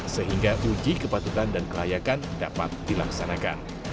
sehingga uji kepatutan dan kelayakan dapat dilaksanakan